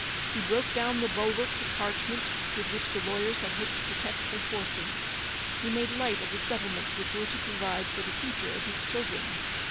He broke down the bulwarks of parchment with which the lawyers had hoped to protect her for tune. He made light of the settlements which were to provide for the future of his children.